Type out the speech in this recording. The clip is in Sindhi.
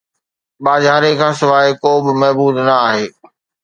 ٻاجھاري کان سواءِ ڪو به معبود نه آھي